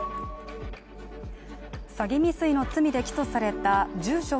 詐欺未遂の罪で起訴された住所